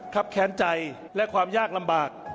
ครับแค้นใจและความยากลำบาก